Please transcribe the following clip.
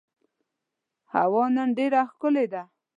هوا نن ډېره ښکلې ده.